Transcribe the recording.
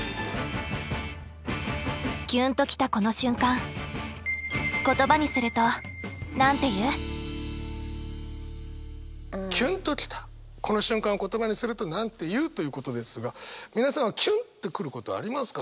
キュンときたこの瞬間キュンときたこの瞬間言葉にするとなんて言う？ということですが皆さんキュンとくることありますか？